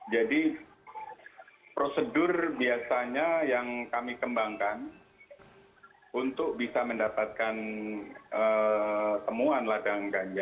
jadi prosedur biasanya yang kami kembangkan untuk bisa mendapatkan temuan ladang ganja